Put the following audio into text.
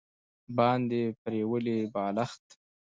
باندې پریولي بالښت